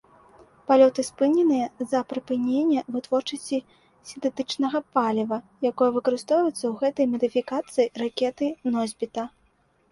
Палёты спыненыя з-за прыпынення вытворчасці сінтэтычнага паліва, якое выкарыстоўваецца ў гэтай мадыфікацыі ракеты-носьбіта.